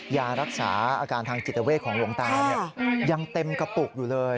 ยารักษาอาการทางจิตเวทของหลวงตายังเต็มกระปุกอยู่เลย